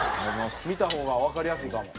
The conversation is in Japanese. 見た方がわかりやすいかも。